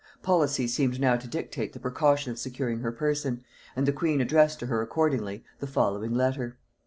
Policy seemed now to dictate the precaution of securing her person; and the queen addressed to her accordingly the following letter.